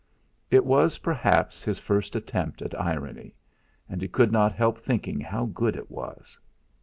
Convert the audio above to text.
It was perhaps his first attempt at irony, and he could not help thinking how good it was.